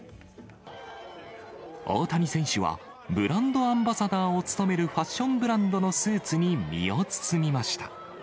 大谷選手は、ブランドアンバサダーを務めるファッションブランドのスーツに身を包みました。